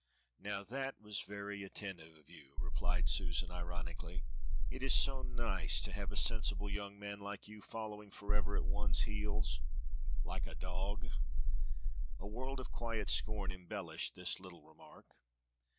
"Now that was very attentive of you," replied Susan ironically. "It is so nice to have a sensible young man like you following forever at one's heels like a dog." A world of quiet scorn embellished this little remark.